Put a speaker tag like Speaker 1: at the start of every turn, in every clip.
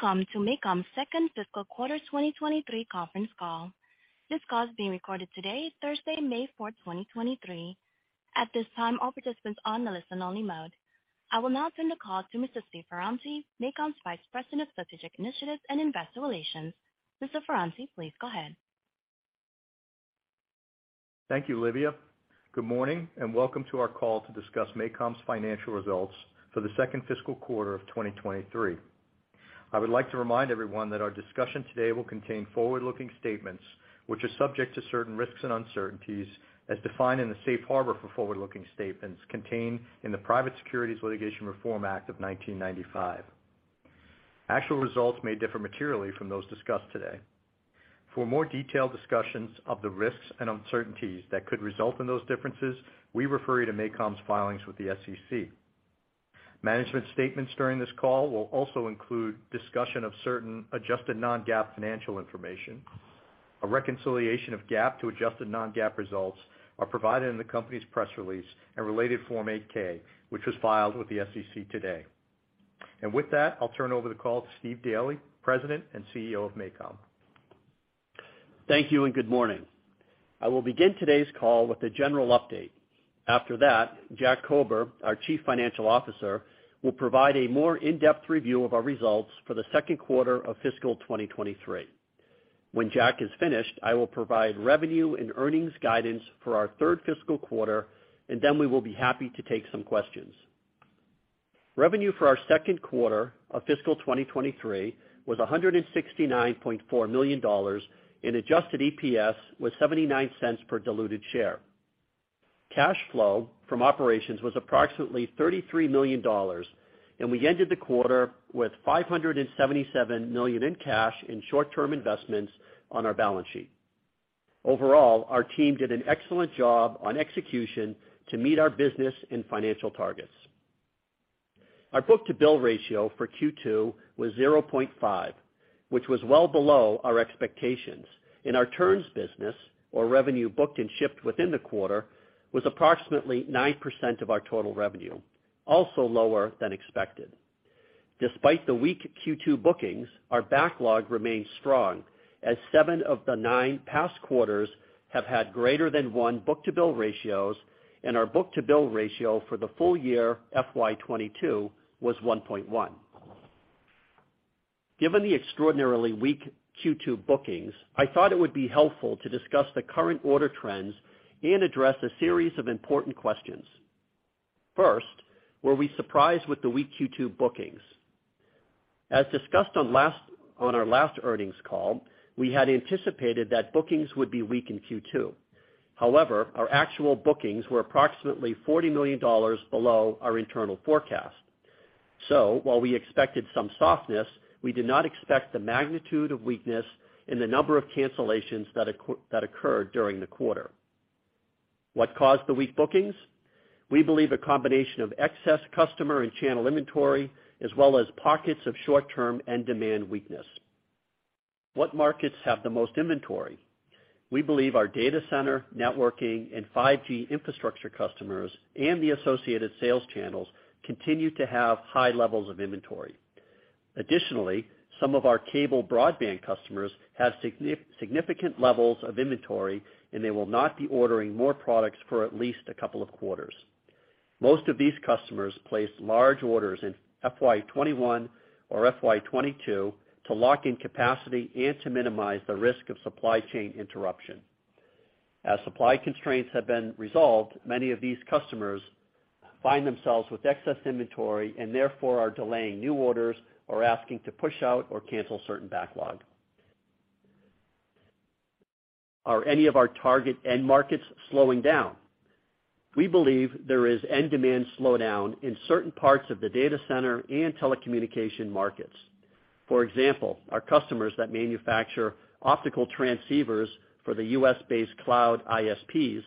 Speaker 1: Welcome to MACOM's second fiscal quarter 2023 conference call. This call is being recorded today, Thursday, May 4, 2023. At this time, all participants are on listen only mode. I will now turn the call to Mr. Steve Ferranti, MACOM's Vice President of Strategic Initiatives and Investor Relations. Mr. Ferranti, please go ahead.
Speaker 2: Thank you, Livia. Good morning, welcome to our call to discuss MACOM's financial results for the second fiscal quarter of 2023. I would like to remind everyone that our discussion today will contain forward-looking statements which are subject to certain risks and uncertainties as defined in the safe harbor for forward-looking statements contained in the Private Securities Litigation Reform Act of 1995. Actual results may differ materially from those discussed today. For more detailed discussions of the risks and uncertainties that could result in those differences, we refer you to MACOM's filings with the SEC. Management statements during this call will also include discussion of certain adjusted non-GAAP financial information. A reconciliation of GAAP to adjusted non-GAAP results are provided in the company's press release and related Form 8-K, which was filed with the SEC today. With that, I'll turn over the call to Steve Daly, President and CEO of MACOM.
Speaker 3: Thank you. Good morning. I will begin today's call with a general update. After that, Jack Kober, our Chief Financial Officer, will provide a more in-depth review of our results for the second quarter of fiscal 2023. When Jack is finished, I will provide revenue and earnings guidance for our third fiscal quarter, and then we will be happy to take some questions. Revenue for our second quarter of fiscal 2023 was $169.4 million and adjusted EPS was $0.79 per diluted share. Cash flow from operations was approximately $33 million, and we ended the quarter with $577 million in cash in short-term investments on our balance sheet. Overall, our team did an excellent job on execution to meet our business and financial targets. Our book-to-bill ratio for Q2 was 0.5, which was well below our expectations. In our turns business or revenue booked and shipped within the quarter was approximately 9% of our total revenue, also lower than expected. Despite the weak Q2 bookings, our backlog remains strong as seven of the nine past quarters have had greater than one book-to-bill ratios, and our book-to-bill ratio for the full year FY 2022 was 1.1. Given the extraordinarily weak Q2 bookings, I thought it would be helpful to discuss the current order trends and address a series of important questions. First, were we surprised with the weak Q2 bookings? As discussed on our last earnings call, we had anticipated that bookings would be weak in Q2. However, our actual bookings were approximately $40 million below our internal forecast. While we expected some softness, we did not expect the magnitude of weakness in the number of cancellations that occurred during the quarter. What caused the weak bookings? We believe a combination of excess customer and channel inventory, as well as pockets of short-term end demand weakness. What markets have the most inventory? We believe our data center, networking, and 5G infrastructure customers and the associated sales channels continue to have high levels of inventory. Additionally, some of our cable broadband customers have significant levels of inventory, and they will not be ordering more products for at least a couple of quarters. Most of these customers placed large orders in FY 2021 or FY 2022 to lock in capacity and to minimize the risk of supply chain interruption. As supply constraints have been resolved, many of these customers find themselves with excess inventory and therefore are delaying new orders or asking to push out or cancel certain backlog. Are any of our target end markets slowing down? We believe there is end demand slowdown in certain parts of the data center and telecommunication markets. For example, our customers that manufacture optical transceivers for the U.S.-based cloud ISPs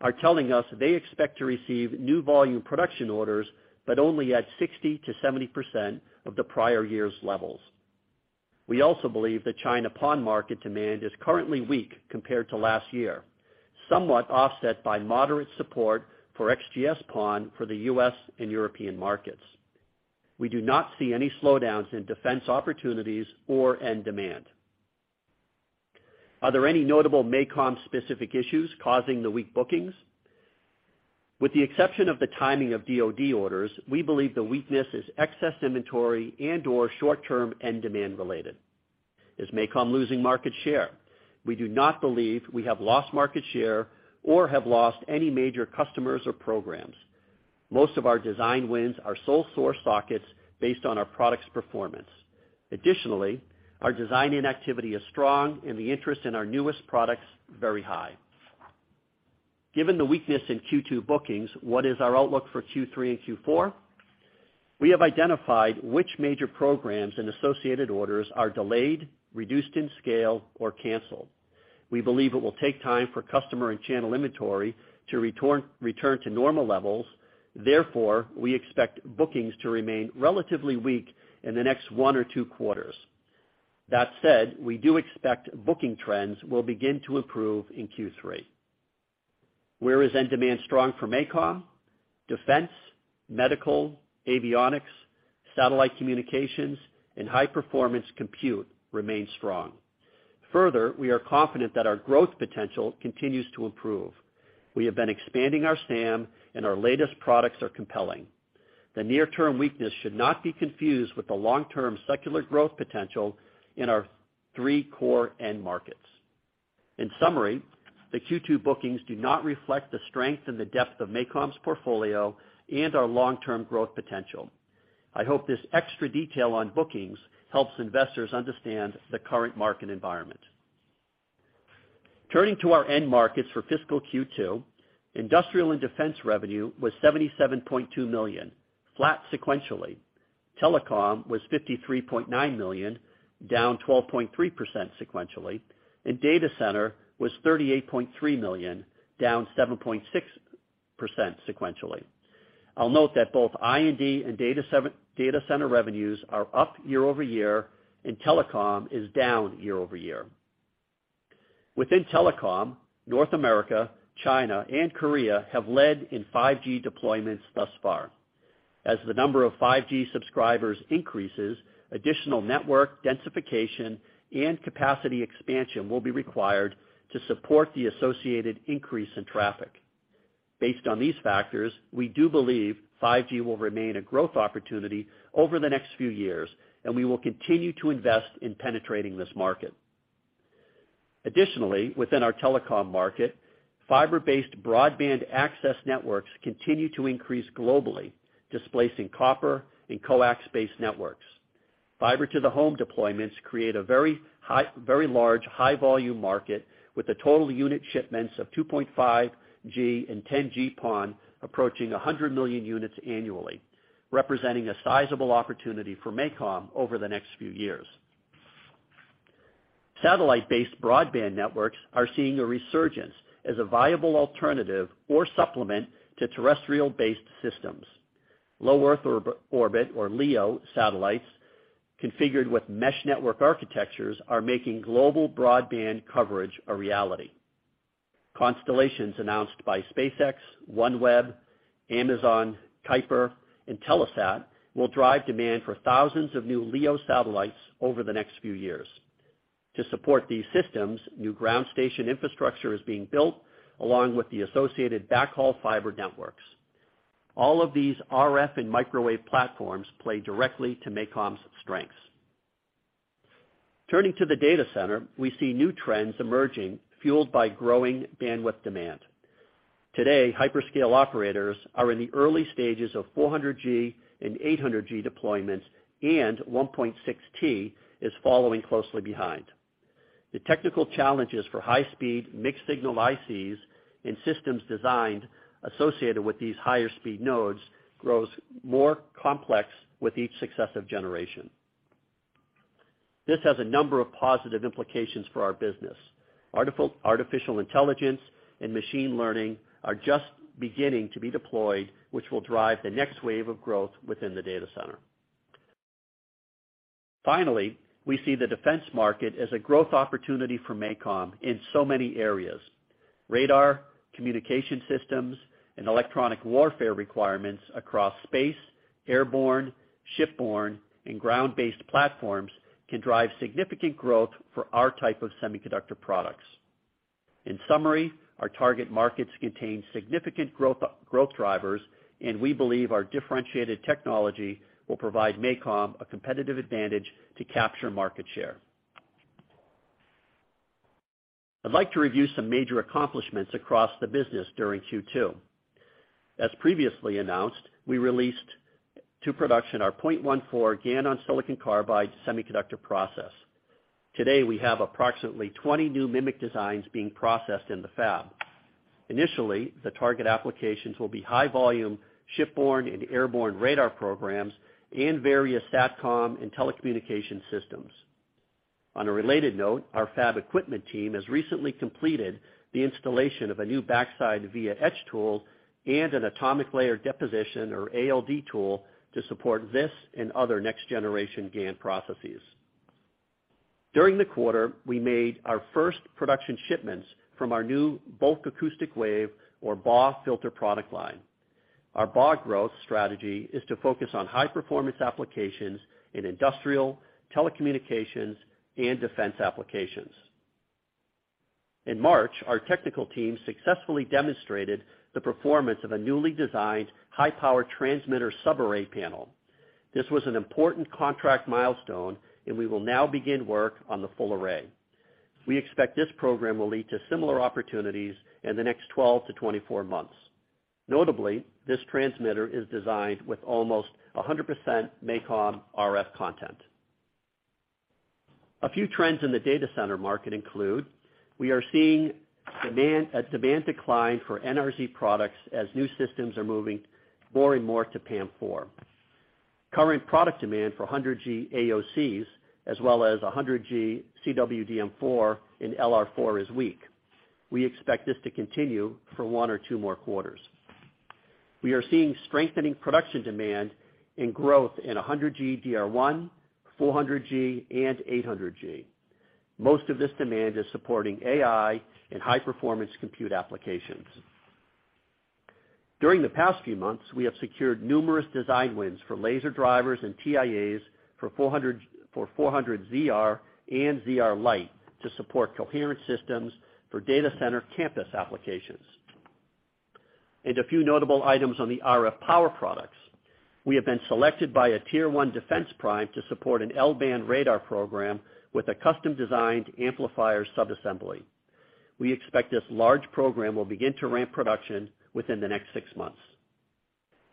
Speaker 3: are telling us they expect to receive new volume production orders, but only at 60%-70% of the prior year's levels. We also believe that China PON market demand is currently weak compared to last year, somewhat offset by moderate support for XGS-PON for the U.S. and European markets. We do not see any slowdowns in defense opportunities or end demand. Are there any notable MACOM specific issues causing the weak bookings? With the exception of the timing of DoD orders, we believe the weakness is excess inventory and/or short-term end demand related. Is MACOM losing market share? We do not believe we have lost market share or have lost any major customers or programs. Most of our design wins are sole source sockets based on our products' performance. Additionally, our design activity is strong and the interest in our newest products very high. Given the weakness in Q2 bookings, what is our outlook for Q3 and Q4? We have identified which major programs and associated orders are delayed, reduced in scale, or canceled. We believe it will take time for customer and channel inventory to return to normal levels. Therefore, we expect bookings to remain relatively weak in the next one or two quarters. That said, we do expect booking trends will begin to improve in Q3. Where is end demand strong for MACOM? Defense, medical, avionics, satellite communications, and high-performance compute remain strong. We are confident that our growth potential continues to improve. We have been expanding our SAM, and our latest products are compelling. The near-term weakness should not be confused with the long-term secular growth potential in our three core end markets. In summary, the Q2 bookings do not reflect the strength and the depth of MACOM's portfolio and our long-term growth potential. I hope this extra detail on bookings helps investors understand the current market environment. Turning to our end markets for fiscal Q2, industrial and defense revenue was $77.2 million, flat sequentially. Telecom was $53.9 million, down 12.3% sequentially. Data center was $38.3 million, down 7.6% sequentially. I'll note that both I&D and Data Center revenues are up year-over-year, and telecom is down year-over-year. Within telecom, North America, China, and Korea have led in 5G deployments thus far. As the number of 5G subscribers increases, additional network densification and capacity expansion will be required to support the associated increase in traffic. Based on these factors, we do believe 5G will remain a growth opportunity over the next few years, and we will continue to invest in penetrating this market. Additionally, within our telecom market, fiber-based broadband access networks continue to increase globally, displacing copper and coax-based networks. Fiber to the home deployments create a very large, high-volume market with the total unit shipments of 2.5G and 10G PON approaching 100 million units annually, representing a sizable opportunity for MACOM over the next few years. Satellite-based broadband networks are seeing a resurgence as a viable alternative or supplement to terrestrial-based systems. Low Earth LEO satellites configured with mesh network architectures are making global broadband coverage a reality. Constellations announced by SpaceX, OneWeb, Amazon, Kuiper, and Telesat will drive demand for thousands of new LEO satellites over the next few years. To support these systems, new ground station infrastructure is being built along with the associated backhaul fiber networks. All of these RF and microwave platforms play directly to MACOM's strengths. Turning to the data center, we see new trends emerging, fueled by growing bandwidth demand. Today, hyperscale operators are in the early stages 800G deployments, and 1.6T is following closely behind. The technical challenges for high-speed, mixed-signal ICs and systems designed associated with these higher speed nodes grows more complex with each successive generation. This has a number of positive implications for our business. Artificial intelligence and machine learning are just beginning to be deployed, which will drive the next wave of growth within the data center. Finally, we see the defense market as a growth opportunity for MACOM in so many areas. Radar, communication systems, and electronic warfare requirements across space, airborne, shipborne, and ground-based platforms can drive significant growth for our type of semiconductor products. In summary, our target markets contain significant growth drivers, and we believe our differentiated technology will provide MACOM a competitive advantage to capture market share. I'd like to review some major accomplishments across the business during Q2. As previously announced, we released to production our 0.14 GaN-on-SiC semiconductor process. Today, we have approximately 20 new MMIC designs being processed in the fab. Initially, the target applications will be high volume shipborne and airborne radar programs and various SATCOM and telecommunication systems. On a related note, our fab equipment team has recently completed the installation of a new backside via etch tool and an Atomic Layer Deposition, or ALD tool, to support this and other next-generation GaN processes. During the quarter, we made our first production shipments from our new Bulk Acoustic Wave, or BAW, filter product line. Our BAW growth strategy is to focus on high-performance applications in industrial, telecommunications, and defense applications. In March, our technical team successfully demonstrated the performance of a newly designed high-power transmitter sub-array panel. This was an important contract milestone. We will now begin work on the full array. We expect this program will lead to similar opportunities in the next 12 to 24 months. Notably, this transmitter is designed with almost 100% MACOM RF content. A few trends in the data center market include we are seeing a demand decline for NRZ products as new systems are moving more and more to PAM4. Current product demand for 100G AOCs as well as 100G CWDM4 and LR4 is weak. We expect this to continue for one or two more quarters. We are seeing strengthening production demand and growth in 100G 800G. most of this demand is supporting AI and high-performance compute applications. During the past few months, we have secured numerous design wins for laser drivers and TIAs for 400, for 400 ZR and ZR+ to support coherent systems for data center campus applications. A few notable items on the RF power products. We have been selected by a tier one defense prime to support an L-band radar program with a custom-designed amplifier subassembly. We expect this large program will begin to ramp production within the next 6 months.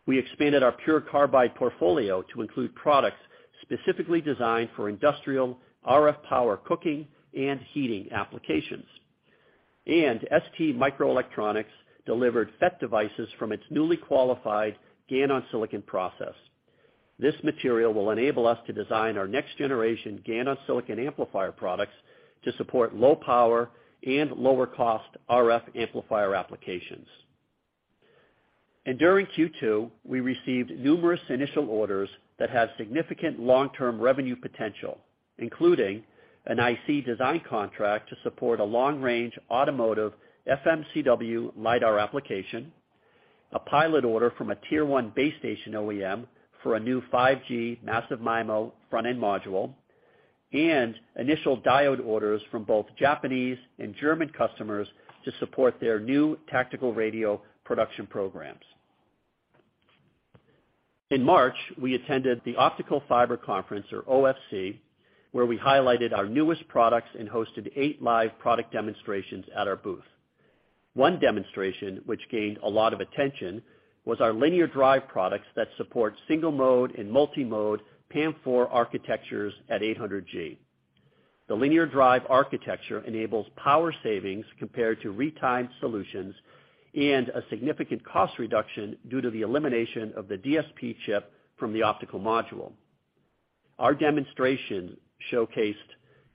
Speaker 3: We expanded our MACOM PURE CARBIDE portfolio to include products specifically designed for industrial RF power cooking and heating applications. STMicroelectronics delivered FET devices from its newly qualified GaN-on-Silicon process. This material will enable us to design our next generation GaN-on-Silicon amplifier products to support low power and lower cost RF amplifier applications. During Q2, we received numerous initial orders that have significant long-term revenue potential, including an IC design contract to support a long-range automotive FMCW LiDAR application, a pilot order from a tier 1 base station OEM for a new 5G massive MIMO front-end module, and initial diode orders from both Japanese and German customers to support their new tactical radio production programs. In March, we attended the Optical Fiber Conference, or OFC, where we highlighted our newest products and hosted eight live product demonstrations at our booth. One demonstration which gained a lot of attention was our Linear Drive products that support single-mode and multi-mode PAM4 architectures 800G. the Linear Drive architecture enables power savings compared to retimed solutions and a significant cost reduction due to the elimination of the DSP chip from the optical module. Our demonstration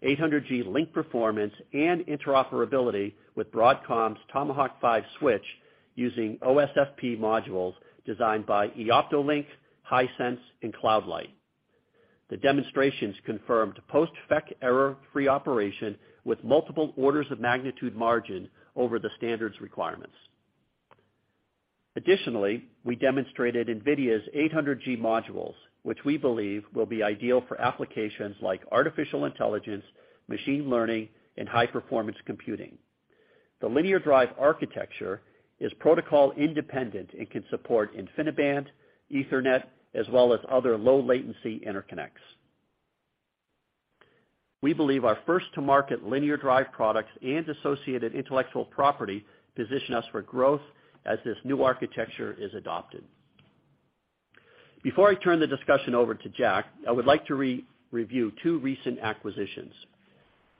Speaker 3: 800G link performance and interoperability with Broadcom's Tomahawk 5 switch using OSFP modules designed by Eoptolink, Hisense, and Cloud Light. The demonstrations confirmed post-FEC error-free operation with multiple orders of magnitude margin over the standards requirements. We demonstrated 800G modules, which we believe will be ideal for applications like artificial intelligence, machine learning, and high-performance computing. The Linear Drive architecture is protocol independent and can support InfiniBand, Ethernet, as well as other low latency interconnects. We believe our first to market Linear Drive products and associated intellectual property position us for growth as this new architecture is adopted. Before I turn the discussion over to Jack, I would like to re-review two recent acquisitions.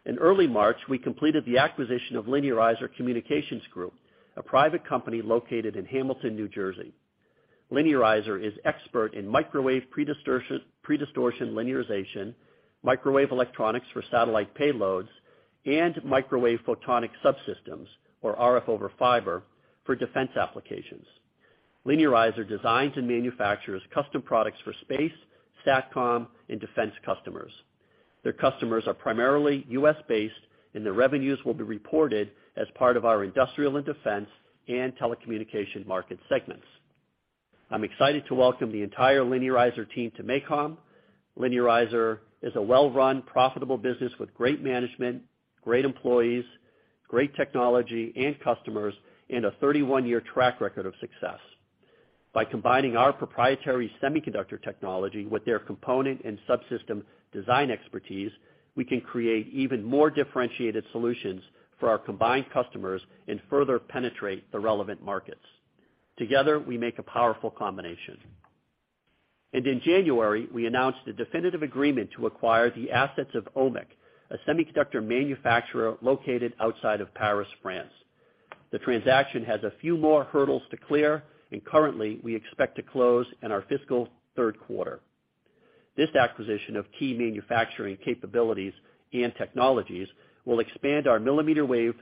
Speaker 3: In early March, we completed the acquisition of Linearizer Communications Group, a private company located in Hamilton, New Jersey. Linearizer is expert in microwave predistortion linearization, microwave electronics for satellite payloads, and microwave photonic subsystems, or RF over fiber, for defense applications. Linearizer designs and manufactures custom products for space, SATCOM, and defense customers. Their customers are primarily U.S.-based, their revenues will be reported as part of our industrial and defense and telecommunication market segments. I'm excited to welcome the entire Linearizer team to MACOM. Linearizer is a well-run, profitable business with great management, great employees, great technology and customers, and a 31-year track record of success. By combining our proprietary semiconductor technology with their component and subsystem design expertise, we can create even more differentiated solutions for our combined customers and further penetrate the relevant markets. Together, we make a powerful combination. In January, we announced a definitive agreement to acquire the assets of OMMIC, a semiconductor manufacturer located outside of Paris, France. The transaction has a few more hurdles to clear and currently we expect to close in our fiscal third quarter. This acquisition of key manufacturing capabilities and technologies will expand our millimeter wave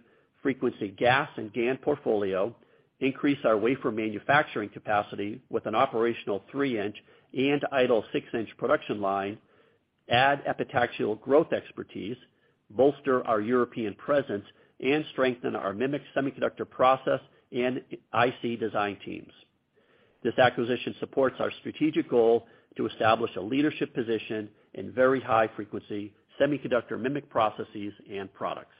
Speaker 3: frequency GaAs and GaN portfolio, increase our wafer manufacturing capacity with an operational 3-in and idle 6-in production line, add epitaxial growth expertise, bolster our European presence, and strengthen our MMIC semiconductor process and IC design teams. This acquisition supports our strategic goal to establish a leadership position in very high frequency semiconductor MMIC processes and products.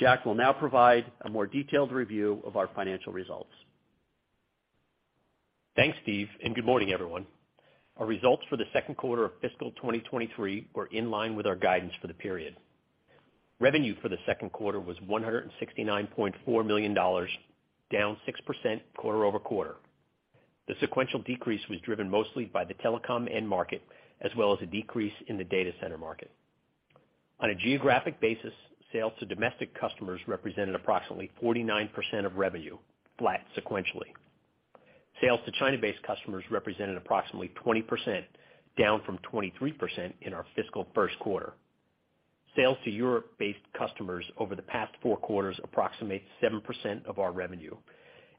Speaker 3: Jack will now provide a more detailed review of our financial results.
Speaker 4: Thanks, Steve, and good morning, everyone. Our results for the second quarter of fiscal 2023 were in line with our guidance for the period. Revenue for the second quarter was $169.4 million, down 6% quarter-over-quarter. The sequential decrease was driven mostly by the telecom end market, as well as a decrease in the data center market. On a geographic basis, sales to domestic customers represented approximately 49% of revenue, flat sequentially. Sales to China-based customers represented approximately 20%, down from 23% in our fiscal first quarter. Sales to Europe-based customers over the past four quarters approximates 7% of our revenue,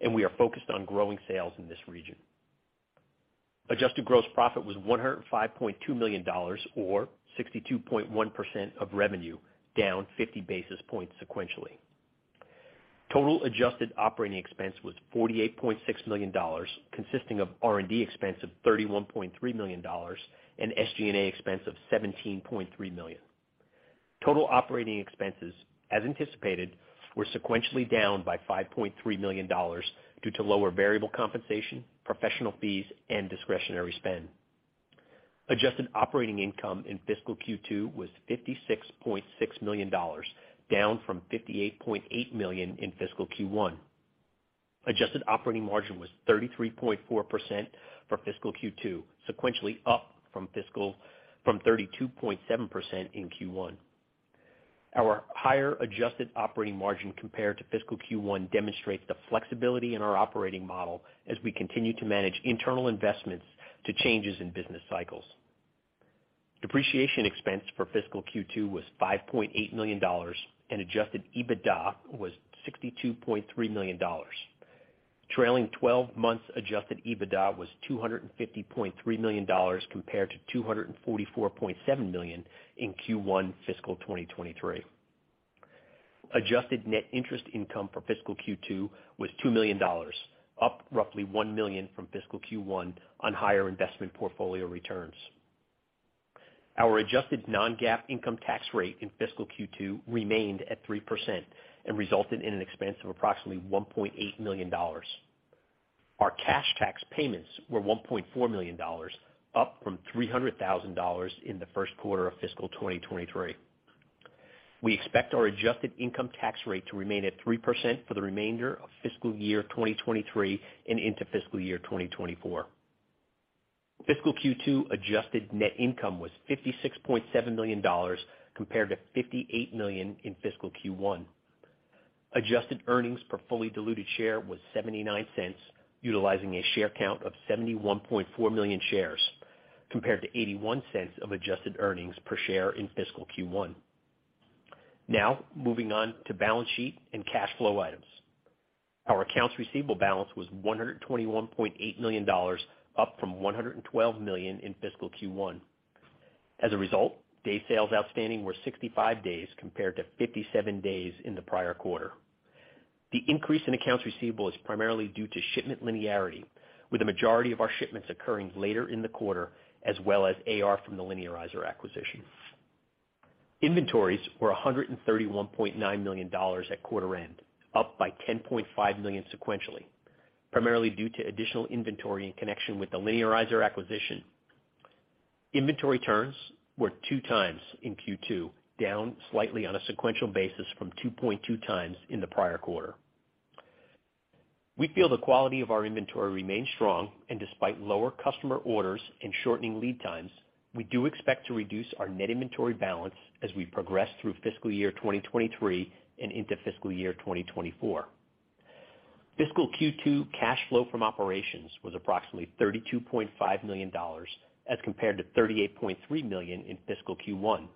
Speaker 4: and we are focused on growing sales in this region. Adjusted gross profit was $105.2 million, or 62.1% of revenue, down 50 basis points sequentially. Total adjusted operating expense was $48.6 million, consisting of R&D expense of $31.3 million and SG&A expense of $17.3 million. Total operating expenses, as anticipated, were sequentially down by $5.3 million due to lower variable compensation, professional fees, and discretionary spend. Adjusted operating income in fiscal Q2 was $56.6 million, down from $58.8 million in fiscal Q1. Adjusted operating margin was 33.4% for fiscal Q2, sequentially up from fiscal from 32.7% in Q1. Our higher adjusted operating margin compared to fiscal Q1 demonstrates the flexibility in our operating model as we continue to manage internal investments to changes in business cycles. Depreciation expense for fiscal Q2 was $5.8 million, and adjusted EBITDA was $62.3 million. Trailing twelve months adjusted EBITDA was $250.3 million compared to $244.7 million in Q1 fiscal 2023. Adjusted net interest income for fiscal Q2 was $2 million, up roughly $1 million from fiscal Q1 on higher investment portfolio returns. Our adjusted non-GAAP income tax rate in fiscal Q2 remained at 3% and resulted in an expense of approximately $1.8 million. Our cash tax payments were $1.4 million, up from $300,000 in the first quarter of fiscal 2023. We expect our adjusted income tax rate to remain at 3% for the remainder of fiscal year 2023 and into fiscal year 2024. Fiscal Q2 adjusted net income was $56.7 million compared to $58 million in fiscal Q1. Adjusted earnings per fully diluted share was $0.79, utilizing a share count of 71.4 million shares, compared to $0.81 of adjusted earnings per share in fiscal Q1. Moving on to balance sheet and cash flow items. Our accounts receivable balance was $121.8 million, up from $112 million in fiscal Q1. As a result, day sales outstanding were 65 days, compared to 57 days in the prior quarter. The increase in accounts receivable is primarily due to shipment linearity, with the majority of our shipments occurring later in the quarter, as well as AR from the Linearizer acquisition. Inventories were $131.9 million at quarter end, up by $10.5 million sequentially, primarily due to additional inventory in connection with the Linearizer acquisition. Inventory turns were 2x in Q2, down slightly on a sequential basis from 2.2x in the prior quarter. We feel the quality of our inventory remains strong and despite lower customer orders and shortening lead times, we do expect to reduce our net inventory balance as we progress through fiscal year 2023 and into fiscal year 2024. Fiscal Q2 cash flow from operations was approximately $32.5 million, as compared to $38.3 million in fiscal Q1.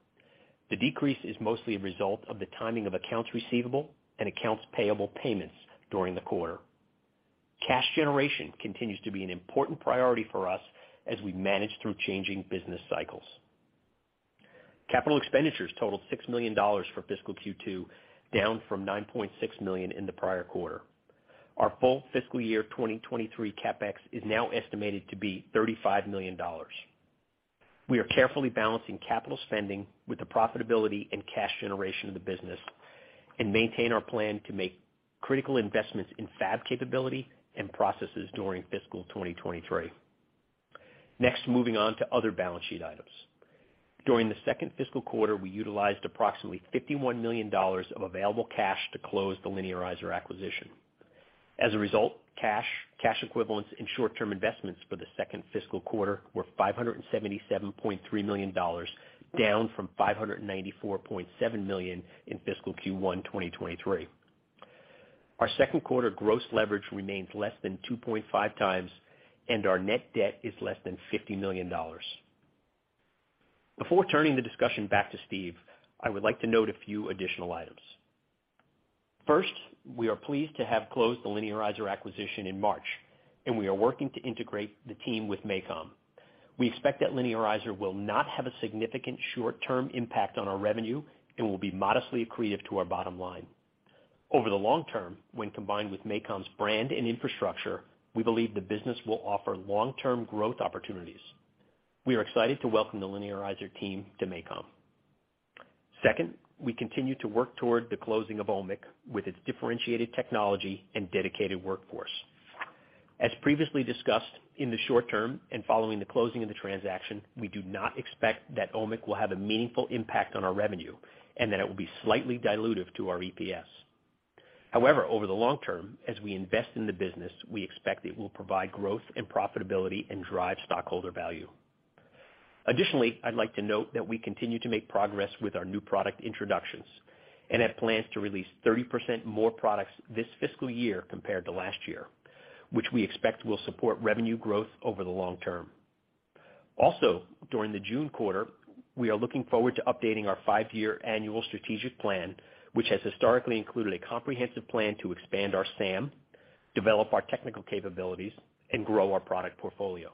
Speaker 4: The decrease is mostly a result of the timing of accounts receivable and accounts payable payments during the quarter. Cash generation continues to be an important priority for us as we manage through changing business cycles. Capital expenditures totaled $6 million for fiscal Q2, down from $9.6 million in the prior quarter. Our full fiscal year 2023 CapEx is now estimated to be $35 million. We are carefully balancing capital spending with the profitability and cash generation of the business and maintain our plan to make critical investments in fab capability and processes during fiscal 2023. Moving on to other balance sheet items. During the second fiscal quarter, we utilized approximately $51 million of available cash to close the Linearizer acquisition. Cash, cash equivalents and short-term investments for the second fiscal quarter were $577.3 million, down from $594.7 million in fiscal Q1 2023. Our second quarter gross leverage remains less than 2.5x, and our net debt is less than $50 million. Before turning the discussion back to Steve, I would like to note a few additional items. First, we are pleased to have closed the Linearizer acquisition in March, and we are working to integrate the team with MACOM. We expect that Linearizer will not have a significant short-term impact on our revenue and will be modestly accretive to our bottom line. Over the long term, when combined with MACOM's brand and infrastructure, we believe the business will offer long-term growth opportunities. We are excited to welcome the Linearizer team to MACOM. Second, we continue to work toward the closing of OMMIC with its differentiated technology and dedicated workforce. As previously discussed, in the short term and following the closing of the transaction, we do not expect that OMMIC will have a meaningful impact on our revenue and that it will be slightly dilutive to our EPS. However, over the long term, as we invest in the business, we expect it will provide growth and profitability and drive stockholder value. Additionally, I'd like to note that we continue to make progress with our new product introductions and have plans to release 30% more products this fiscal year compared to last year. Which we expect will support revenue growth over the long term. During the June quarter, we are looking forward to updating our five-year annual strategic plan, which has historically included a comprehensive plan to expand our SAM, develop our technical capabilities, and grow our product portfolio.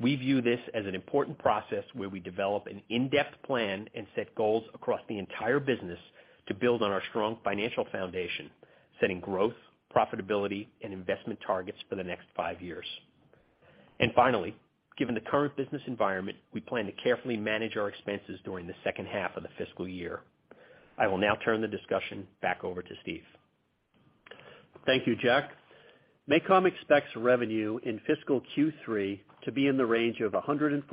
Speaker 4: We view this as an important process where we develop an in-depth plan and set goals across the entire business to build on our strong financial foundation, setting growth, profitability, and investment targets for the next five years. Finally, given the current business environment, we plan to carefully manage our expenses during the second half of the fiscal year. I will now turn the discussion back over to Steve.
Speaker 3: Thank you, Jack. MACOM expects revenue in fiscal Q3 to be in the range of $145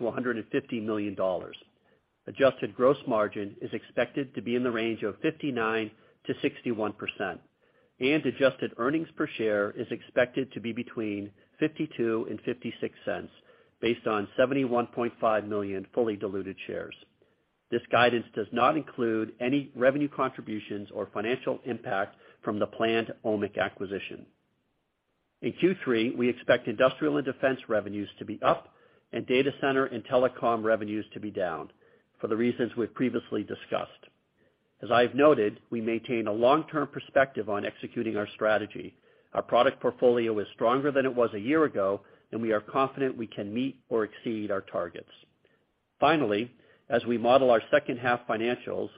Speaker 3: million-$150 million. Adjusted gross margin is expected to be in the range of 59%-61%. Adjusted earnings per share is expected to be between $0.52 and $0.56 based on 71.5 million fully diluted shares. This guidance does not include any revenue contributions or financial impact from the planned OMMIC acquisition. In Q3, we expect industrial and defense revenues to be up and data center and telecom revenues to be down for the reasons we've previously discussed. As I've noted, we maintain a long-term perspective on executing our strategy. Our product portfolio is stronger than it was a year ago, and we are confident we can meet or exceed our targets. Finally, as we model our second half financials,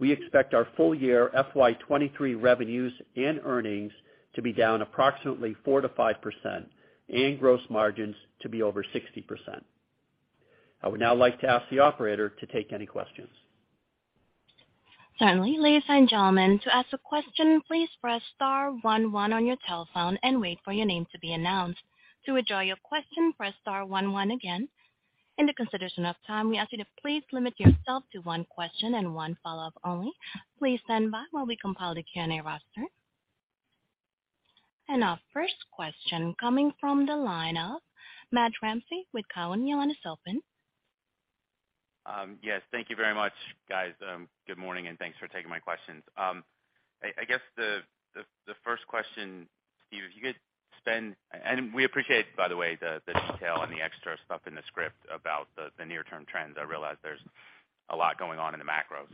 Speaker 3: we expect our full year FY 2023 revenues and earnings to be down approximately 4%-5% and gross margins to be over 60%. I would now like to ask the operator to take any questions.
Speaker 1: Certainly. Ladies and gentlemen, to ask a question, please press star one one on your telephone and wait for your name to be announced. To withdraw your question, press star one one again. In the consideration of time, we ask you to please limit yourself to one question and one follow-up only. Please stand by while we compile the Q&A roster. Our first question coming from the line of Matt Ramsay with Cowen. Your line is open.
Speaker 5: Yes, thank you very much, guys. Good morning, and thanks for taking my questions. I guess the first question, Steve, if you could spend and we appreciate by the way the detail and the extra stuff in the script about the near-term trends. I realize there's a lot going on in the macro.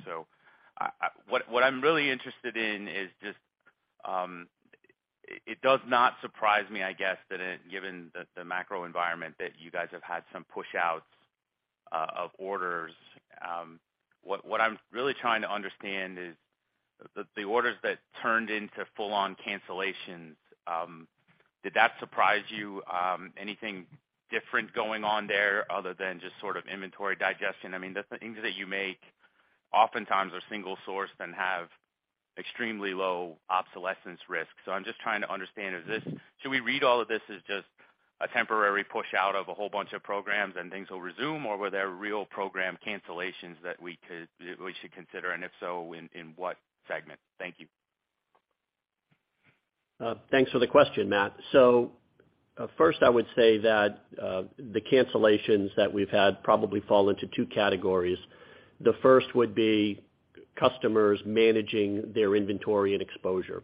Speaker 5: What I'm really interested in is just, it does not surprise me, I guess, that given the macro environment that you guys have had some push outs of orders. What I'm really trying to understand is the orders that turned into full-on cancellations, did that surprise you? Anything different going on there other than just sort of inventory digestion? I mean, the things that you make oftentimes are single sourced and have extremely low obsolescence risk. I'm just trying to understand, should we read all of this as just a temporary push out of a whole bunch of programs and things will resume, or were there real program cancellations that we should consider, and if so, in what segment? Thank you.
Speaker 3: Thanks for the question, Matt. First, I would say that the cancellations that we've had probably fall into 2 categories. The first would be customers managing their inventory and exposure,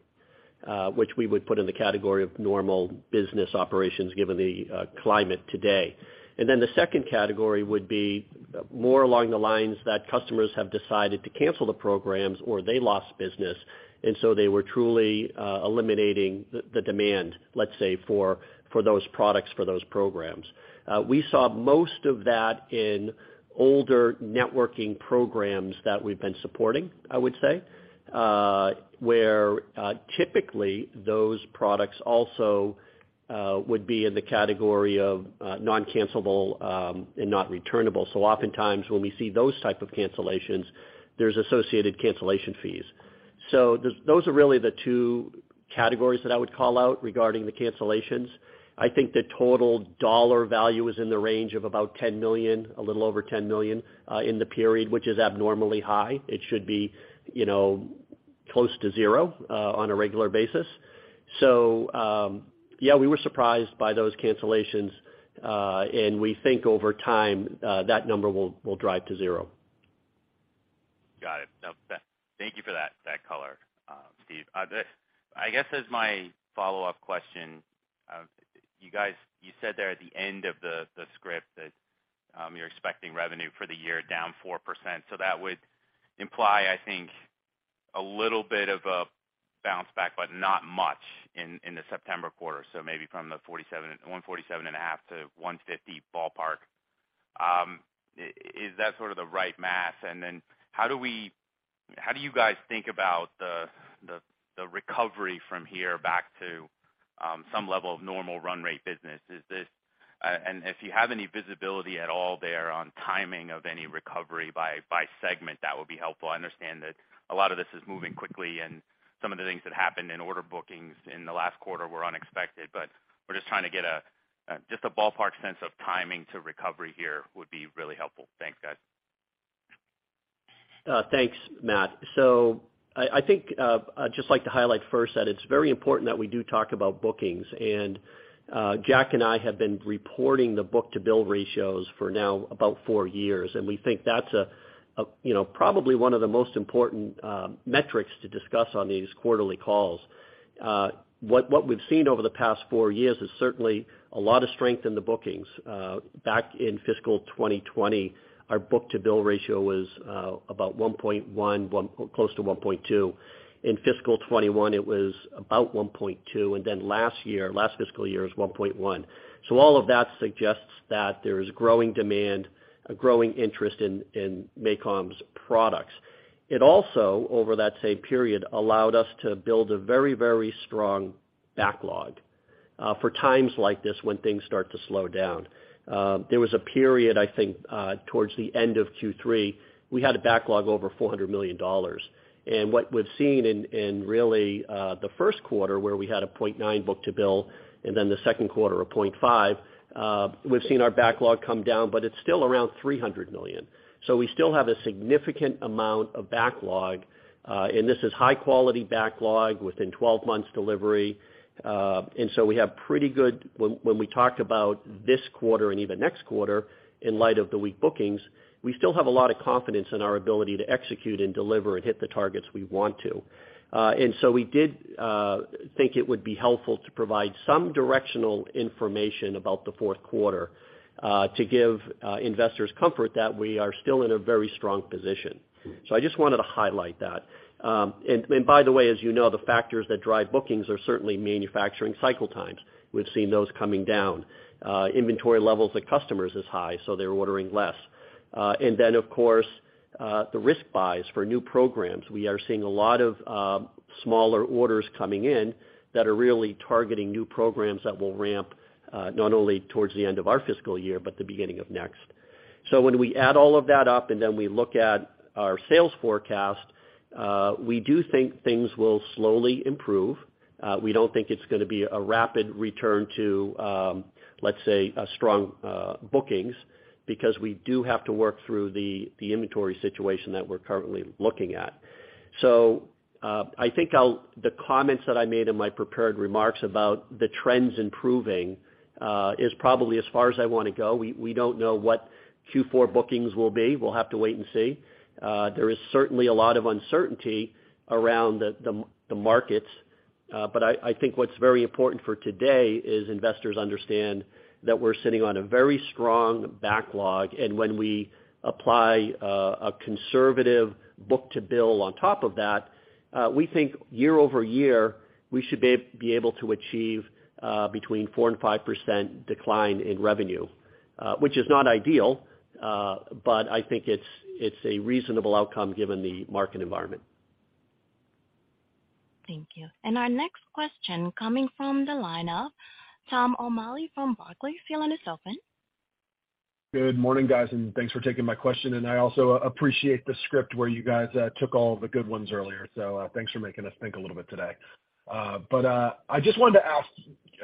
Speaker 3: which we would put in the category of normal business operations given the climate today. The second category would be more along the lines that customers have decided to cancel the programs or they lost business, they were truly eliminating the demand, let's say, for those products, for those programs. We saw most of that in older networking programs that we've been supporting, I would say, where typically those products also would be in the category of non-cancellable and not returnable. Oftentimes when we see those type of cancellations, there's associated cancellation fees. Those are really the two categories that I would call out regarding the cancellations. I think the total dollar value is in the range of about $10 million, a little over $10 million, in the period, which is abnormally high. It should be, you know, close to zero, on a regular basis. Yeah, we were surprised by those cancellations, and we think over time, that number will drive to zero.
Speaker 5: Got it. Thank you for that color, Steve. I guess as my follow-up question, you said there at the end of the script that you're expecting revenue for the year down 4%. That would imply, I think, a little bit of a bounce back, but not much in the September quarter. Maybe from the $147.5-$150 ballpark. Is that sort of the right math? How do you guys think about the recovery from here back to some level of normal run rate business? Is this, if you have any visibility at all there on timing of any recovery by segment, that would be helpful. I understand that a lot of this is moving quickly and some of the things that happened in order bookings in the last quarter were unexpected, but we're just trying to get a just a ballpark sense of timing to recovery here would be really helpful. Thanks, guys.
Speaker 3: Thanks, Matt Ramsay. I think, I'd just like to highlight first that it's very important that we do talk about bookings. Jack and I have been reporting the book-to-bill ratios for now about four years, and we think that's a, you know, probably one of the most important metrics to discuss on these quarterly calls. What we've seen over the past four years is certainly a lot of strength in the bookings. Back in fiscal 2020, our book-to-bill ratio was, about 1.1, close to 1.2. In fiscal 2021 it was about 1.2, last fiscal year, it was 1.1. All of that suggests that there's growing demand, a growing interest in MACOM's products. It also, over that same period, allowed us to build a very, very strong backlog for times like this when things start to slow down. There was a period, I think, towards the end of Q3, we had a backlog over $400 million. What we've seen in really, the first quarter, where we had a 0.9 book-to-bill, and then the second quarter, a 0.5, we've seen our backlog come down, but it's still around $300 million. We still have a significant amount of backlog, and this is high quality backlog within 12 months delivery. We have pretty good. When we talk about this quarter and even next quarter in light of the weak bookings, we still have a lot of confidence in our ability to execute and deliver and hit the targets we want to. We did think it would be helpful to provide some directional information about the fourth quarter to give investors comfort that we are still in a very strong position. I just wanted to highlight that. By the way, as you know, the factors that drive bookings are certainly manufacturing cycle times. We've seen those coming down. Inventory levels at customers is high, so they're ordering less. Then of course, the risk buys for new programs. We are seeing a lot of smaller orders coming in that are really targeting new programs that will ramp not only towards the end of our fiscal year, but the beginning of next. When we add all of that up and then we look at our sales forecast, we do think things will slowly improve. We don't think it's gonna be a rapid return to, let's say, a strong bookings, because we do have to work through the inventory situation that we're currently looking at. The comments that I made in my prepared remarks about the trends improving is probably as far as I wanna go. We don't know what Q4 bookings will be. We'll have to wait and see. There is certainly a lot of uncertainty around the markets, but I think what's very important for today is investors understand that we're sitting on a very strong backlog, and when we apply a conservative book-to-bill on top of that, we think year-over-year, we should be able to achieve between 4% and 5% decline in revenue. Which is not ideal, but I think it's a reasonable outcome given the market environment.
Speaker 1: Thank you. Our next question coming from the line of Tom O'Malley from Barclays. Your line is open.
Speaker 6: Good morning, guys, thanks for taking my question. I also appreciate the script where you guys took all the good ones earlier. Thanks for making us think a little bit today. I just wanted to ask,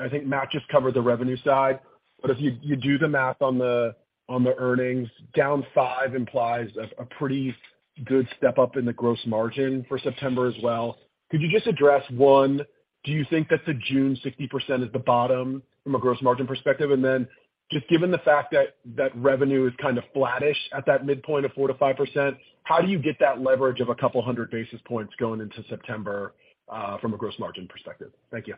Speaker 6: I think Matt just covered the revenue side, but if you do the math on the, on the earnings, down 5 implies a pretty good step up in the gross margin for September as well. Could you just address, one, do you think that the June 60% is the bottom from a gross margin perspective? Just given the fact that that revenue is kind of flattish at that midpoint of 4%-5%, how do you get that leverage of a couple hundred basis points going into September from a gross margin perspective? Thank you.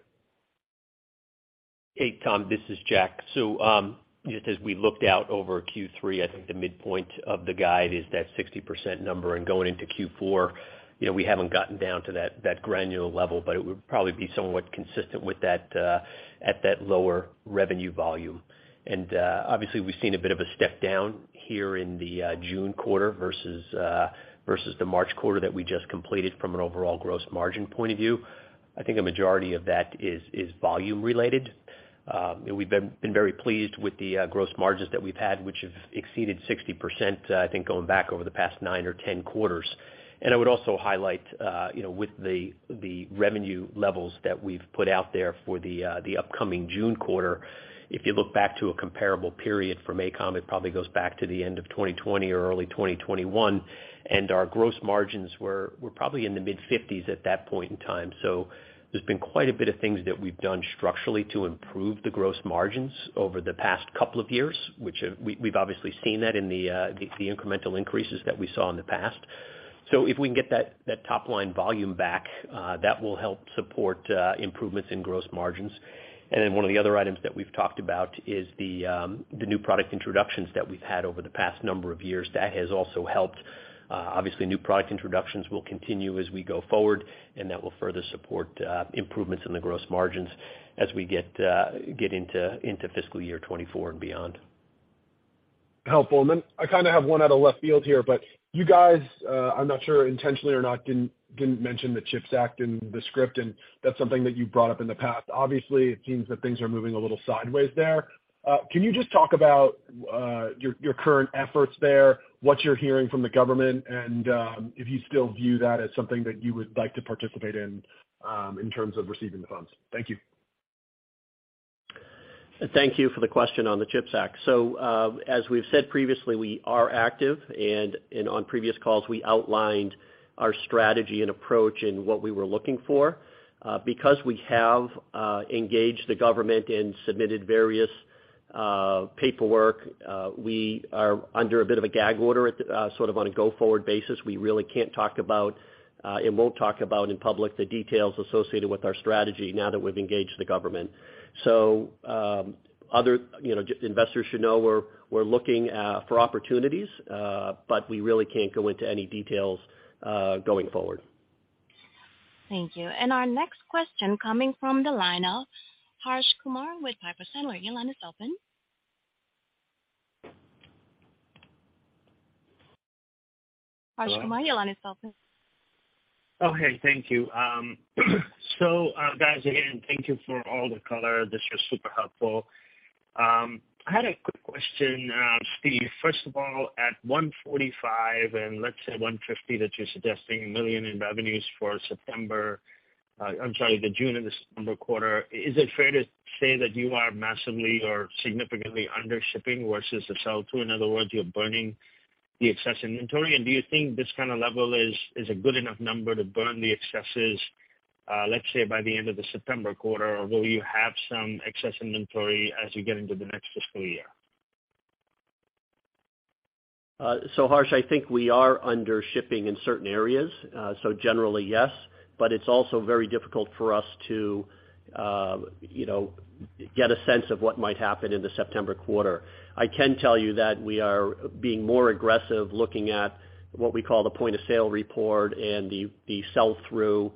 Speaker 4: Hey, Tom, this is Jack. Just as we looked out over Q3, I think the midpoint of the guide is that 60% number. Going into Q4, you know, we haven't gotten down to that granular level, but it would probably be somewhat consistent with that at that lower revenue volume. Obviously, we've seen a bit of a step down here in the June quarter versus the March quarter that we just completed from an overall gross margin point of view. I think a majority of that is volume related. And we've been very pleased with the gross margins that we've had, which have exceeded 60%, I think going back over the past nine or 10 quarters. I would also highlight, you know, with the revenue levels that we've put out there for the upcoming June quarter, if you look back to a comparable period for MACOM, it probably goes back to the end of 2020 or early 2021, and our gross margins were probably in the mid-50s at that point in time. There's been quite a bit of things that we've done structurally to improve the gross margins over the past couple of years, which we've obviously seen that in the incremental increases that we saw in the past. If we can get that top line volume back, that will help support improvements in gross margins. One of the other items that we've talked about is the new product introductions that we've had over the past number of years. That has also helped. Obviously new product introductions will continue as we go forward, and that will further support improvements in the gross margins as we get into fiscal year 2024 and beyond.
Speaker 6: Helpful. I kinda have one out of left field here, but you guys, I'm not sure intentionally or not, didn't mention the CHIPS Act in the script, and that's something that you've brought up in the past. Obviously, it seems that things are moving a little sideways there. Can you just talk about your current efforts there, what you're hearing from the government, and if you still view that as something that you would like to participate in terms of receiving the funds? Thank you.
Speaker 3: Thank you for the question on the CHIPS Act. As we've said previously, we are active, on previous calls, we outlined our strategy and approach and what we were looking for. Because we have engaged the government and submitted various paperwork, we are under a bit of a gag order sort of on a go-forward basis. We really can't talk about and won't talk about in public the details associated with our strategy now that we've engaged the government. Other, you know, investors should know we're looking for opportunities, but we really can't go into any details going forward.
Speaker 1: Thank you. Our next question coming from the line of Harsh Kumar with Piper Sandler. Your line is open. Harsh Kumar, your line is open.
Speaker 7: Okay, thank you. Guys, again, thank you for all the color. This was super helpful. I had a quick question, Steve. First of all, at $145 million and let's say $150 million that you're suggesting in revenues for the June and December quarter, is it fair to say that you are massively or significantly under shipping versus the sell through? In other words, you're burning the excess inventory. Do you think this kind of level is a good enough number to burn the excesses, let's say, by the end of the September quarter? Will you have some excess inventory as you get into the next fiscal year?
Speaker 3: Harsh, I think we are under shipping in certain areas, generally, yes. It's also very difficult for us to, you know, get a sense of what might happen in the September quarter. I can tell you that we are being more aggressive looking at what we call the point of sale report and the sell through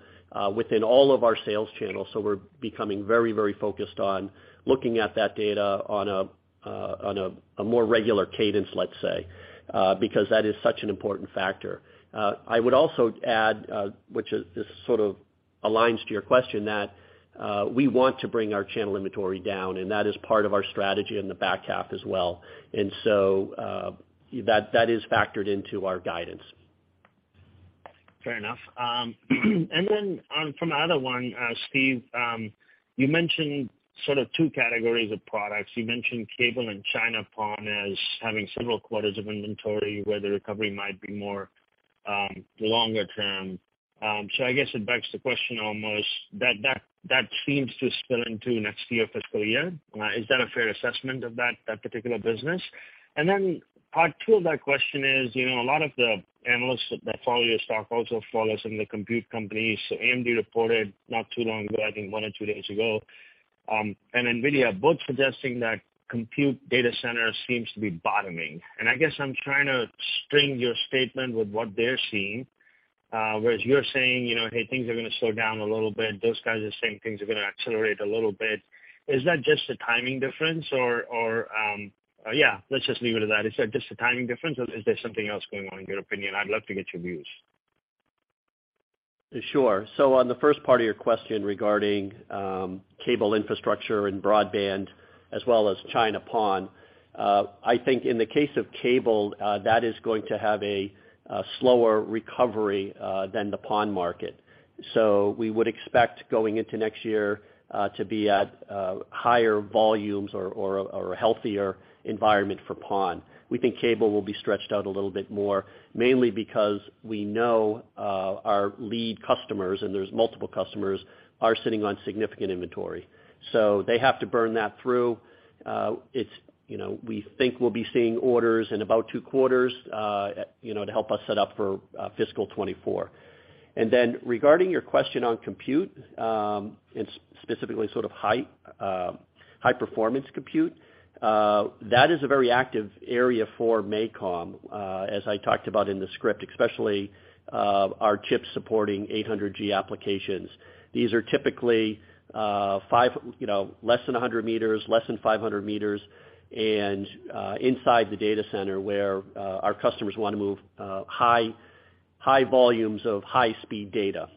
Speaker 3: within all of our sales channels. We're becoming very, very focused on looking at that data on a more regular cadence, let's say, because that is such an important factor. I would also add, which is, this sort of aligns to your question that we want to bring our channel inventory down, and that is part of our strategy in the back half as well. That is factored into our guidance.
Speaker 7: Fair enough. From the other one, Steve, you mentioned sort of two categories of products. You mentioned cable and China PON as having several quarters of inventory where the recovery might be more longer term. I guess it begs the question almost that seems to spill into next year fiscal year. Is that a fair assessment of that particular business? Part two of that question is, you know, a lot of the analysts that follow your stock also follow some of the compute companies. AMD reported not too long ago, I think one or two days ago, and NVIDIA both suggesting that compute data center seems to be bottoming. I guess I'm trying to string your statement with what they're seeing, whereas you're saying, you know, hey, things are gonna slow down a little bit. Those guys are saying things are gonna accelerate a little bit. Is that just a timing difference or, yeah, let's just leave it at that. Is that just a timing difference or is there something else going on in your opinion? I'd love to get your views.
Speaker 3: Sure. On the first part of your question regarding cable infrastructure and broadband as well as China PON. I think in the case of cable, that is going to have a slower recovery than the PON market. We would expect going into next year to be at higher volumes or a healthier environment for PON. We think cable will be stretched out a little bit more, mainly because we know, our lead customers, and there's multiple customers, are sitting on significant inventory. They have to burn that through. It's, you know, we think we'll be seeing orders in about 2 quarters, you know, to help us set up for fiscal 2024. Regarding your question on compute, and specifically sort of high, high-performance compute, that is a very active area for MACOM, as I talked about in the script, especially our chips 800G applications. These are typically less than 100 meters, less than 500 meters, and inside the data center where our customers wanna move high, high volumes of high-speed data.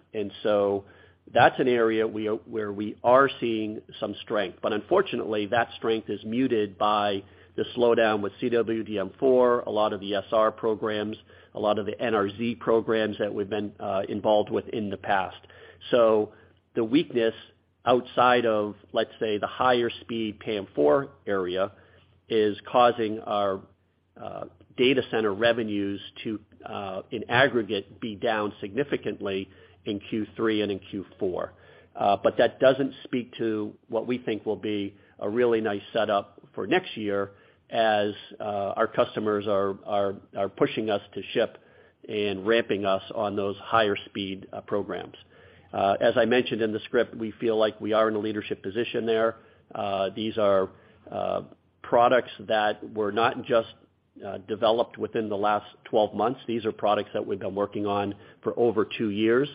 Speaker 3: That's an area where we are seeing some strength. Unfortunately, that strength is muted by the slowdown with CWDM4, a lot of the SR programs, a lot of the NRZ programs that we've been involved with in the past. The weakness outside of, let's say, the higher speed PAM4 area is causing our data center revenues to, in aggregate, be down significantly in Q3 and in Q4. But that doesn't speak to what we think will be a really nice setup for next year as our customers are pushing us to ship and ramping us on those higher speed programs. As I mentioned in the script, we feel like we are in a leadership position there. These are products that were not just developed within the last 12 months. These are products that we've been working on for over two years.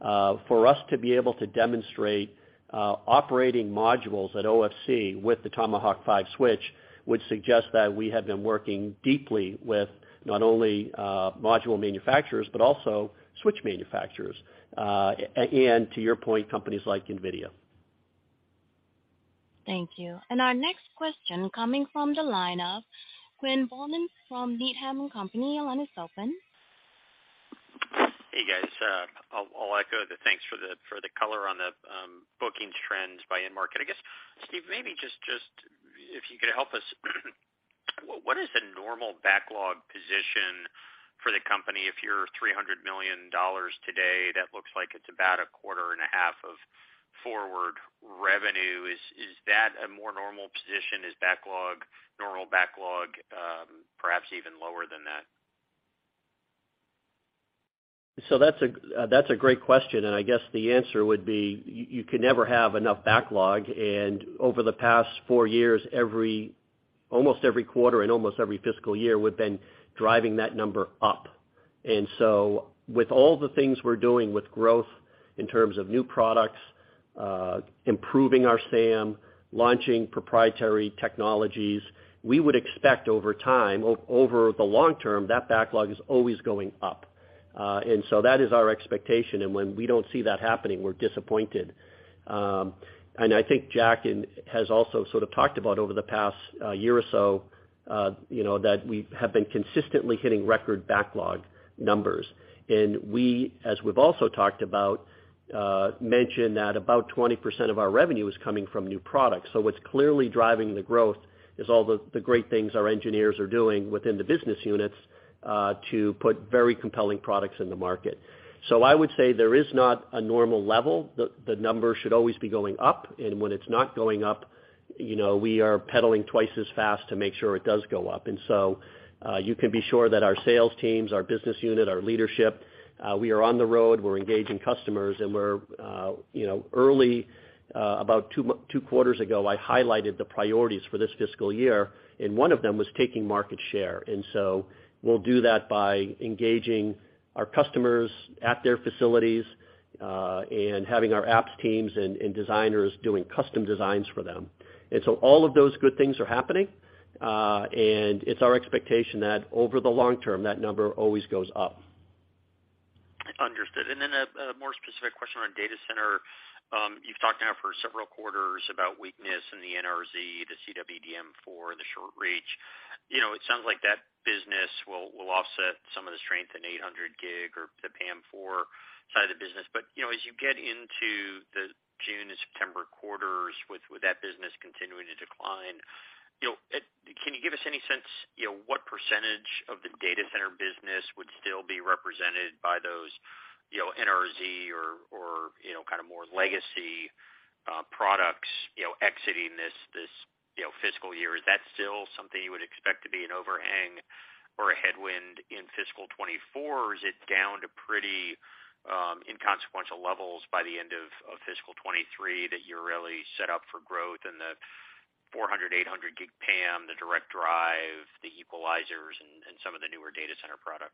Speaker 3: For us to be able to demonstrate operating modules at OFC with the Tomahawk 5 switch would suggest that we have been working deeply with not only module manufacturers, but also switch manufacturers, and to your point, companies like NVIDIA.
Speaker 1: Thank you. Our next question coming from the line of Quinn Bolton from Needham & Company. Your line is open.
Speaker 8: Hey guys, I'll echo the thanks for the color on the bookings trends by end market. I guess, Steve, maybe just if you could help us, what is the normal backlog position for the company if you're $300 million today, that looks like it's about a quarter and a half of forward revenue. Is that a more normal position? Is normal backlog perhaps even lower than that?
Speaker 3: That's a great question. I guess the answer would be you can never have enough backlog. Over the past four years, almost every quarter and almost every fiscal year, we've been driving that number up. With all the things we're doing with growth in terms of new products, improving our SAM, launching proprietary technologies, we would expect over time, over the long term, that backlog is always going up. That is our expectation. When we don't see that happening, we're disappointed. I think Jack has also sort of talked about over the past year or so, you know, that we have been consistently hitting record backlog numbers. We, as we've also talked about, mentioned that about 20% of our revenue is coming from new products. What's clearly driving the growth is all the great things our engineers are doing within the business units to put very compelling products in the market. The number should always be going up. When it's not going up, you know, we are pedaling twice as fast to make sure it does go up. You can be sure that our sales teams, our business unit, our leadership, we are on the road, we're engaging customers, and we're, you know, early, about two quarters ago, I highlighted the priorities for this fiscal year, and one of them was taking market share. We'll do that by engaging our customers at their facilities and having our apps teams and designers doing custom designs for them. All of those good things are happening, and it's our expectation that over the long term, that number always goes up.
Speaker 8: Understood. Then a more specific question around data center. You've talked now for several quarters about weakness in the NRZ, the CWDM4 for the short reach. You know, it sounds like that business will offset some of the strength 800G or the PAM4 side of the business. You know, as you get into the June and September quarters with that business continuing to decline, you know, can you give us any sense, you know, what percentage of the data center business would still be represented by those, you know, NRZ or, you know, kind of more legacy products, you know, exiting this, you know, fiscal year? Is that still something you would expect to be an overhang or a headwind in fiscal 2024? Is it down to pretty inconsequential levels by the end of fiscal 2023 that you're really set up for growth in 400G, 800G PAM, the direct drive, the equalizers, and some of the newer data center products?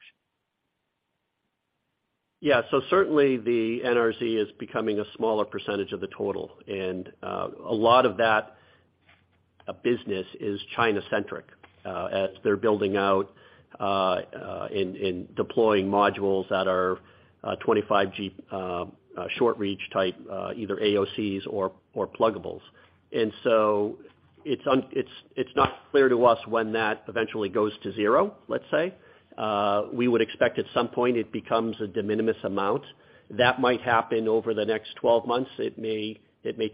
Speaker 3: Certainly the NRZ is becoming a smaller percentage of the total. A lot of that business is China-centric as they're building out and deploying modules that are 25G short reach type either AOCs or pluggables. It's not clear to us when that eventually goes to zero, let's say. We would expect at some point it becomes a de minimis amount. That might happen over the next 12 months. It may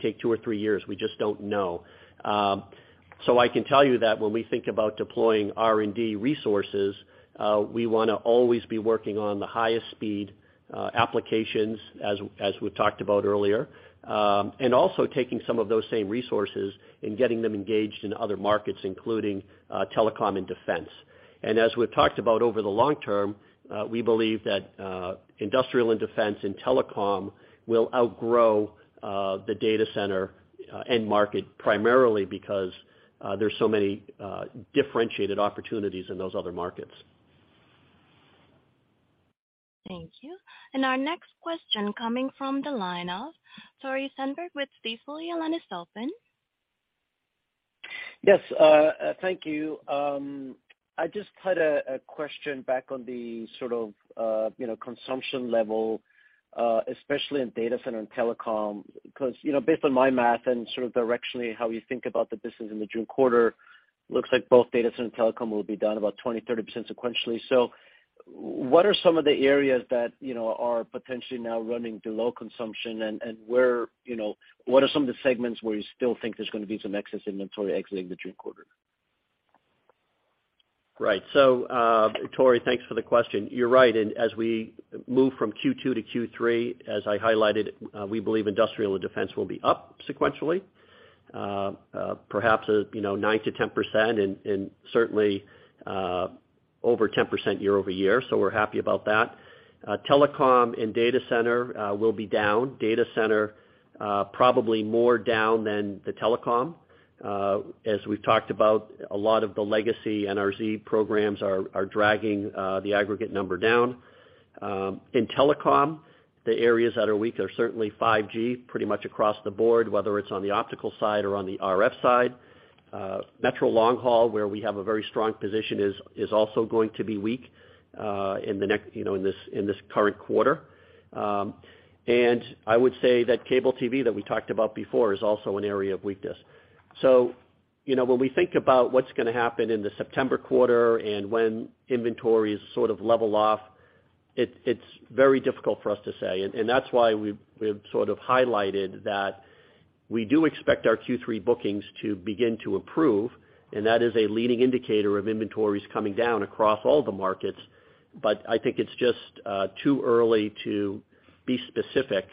Speaker 3: take two or three years. We just don't know. I can tell you that when we think about deploying R&D resources, we wanna always be working on the highest speed applications, as we talked about earlier, and also taking some of those same resources and getting them engaged in other markets, including telecom and defense. As we've talked about over the long term, we believe that industrial and defense and telecom will outgrow the data center end market, primarily because there's so many differentiated opportunities in those other markets.
Speaker 1: Thank you. Our next question coming from the line of Tore Svanberg with Stifel. Your line is open.
Speaker 9: Yes, thank you. I just had a question back on the sort of, you know, consumption level, especially in data center and telecom. You know, based on my math and sort of directionally how you think about the business in the June quarter, looks like both data center and telecom will be down about 20%-30% sequentially. What are some of the areas that, you know, are potentially now running to low consumption? Where, you know, what are some of the segments where you still think there's gonna be some excess inventory exiting the June quarter?
Speaker 3: Right. Tore, thanks for the question. You're right. As we move from Q2 to Q3, as I highlighted, we believe industrial and defense will be up sequentially, perhaps, you know, 9%-10% and certainly over 10% year-over-year. We're happy about that. Telecom and data center will be down. Data center probably more down than the telecom. As we've talked about, a lot of the legacy NRZ programs are dragging the aggregate number down. In telecom, the areas that are weak are certainly 5G pretty much across the board, whether it's on the optical side or on the RF side. Metro long haul, where we have a very strong position is also going to be weak, in the next, you know, in this current quarter. I would say that cable TV that we talked about before is also an area of weakness. You know, when we think about what's gonna happen in the September quarter and when inventories sort of level off, it's very difficult for us to say. That's why we've sort of highlighted that we do expect our Q3 bookings to begin to improve, and that is a leading indicator of inventories coming down across all the markets. I think it's just too early to be specific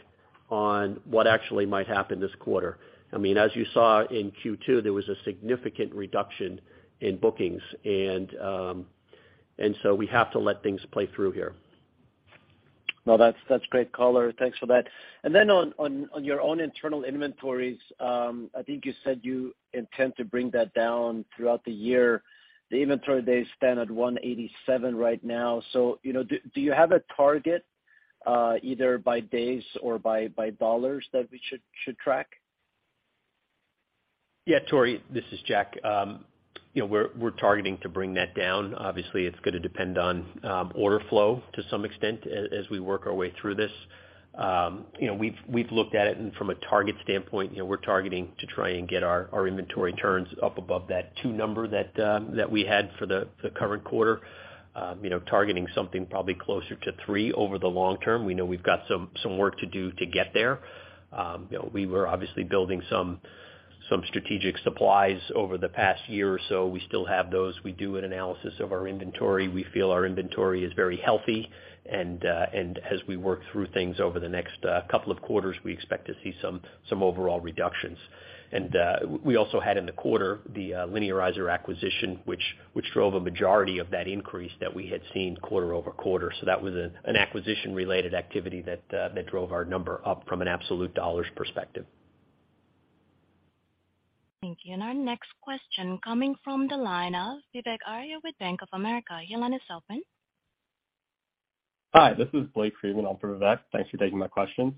Speaker 3: on what actually might happen this quarter. I mean, as you saw in Q2, there was a significant reduction in bookings and so we have to let things play through here.
Speaker 9: No, that's great color. Thanks for that. On your own internal inventories, I think you said you intend to bring that down throughout the year. The inventory days stand at 187 right now. You know, do you have a target, either by days or by dollars that we should track?
Speaker 4: Yeah, Tore, this is Jack. You know, we're targeting to bring that down. Obviously, it's gonna depend on order flow to some extent as we work our way through this. You know, we've looked at it and from a target standpoint, you know, we're targeting to try and get our inventory turns up above that two number that we had for the current quarter. You know, targeting something probably closer to three over the long term. We know we've got some work to do to get there. You know, we were obviously building some strategic supplies over the past year or so. We still have those. We do an analysis of our inventory. We feel our inventory is very healthy, and as we work through things over the next couple of quarters, we expect to see some overall reductions. We also had in the quarter the Linearizer acquisition, which drove a majority of that increase that we had seen quarter-over-quarter. That was an acquisition-related activity that drove our number up from an absolute dollar perspective.
Speaker 1: Thank you. Our next question coming from the line of Vivek Arya with Bank of America, your line is open.
Speaker 10: Hi, this is Blake Friedman on for Vivek. Thanks for taking my question.